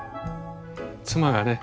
妻がね